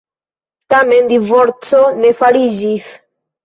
Tamen divorco ne fariĝis.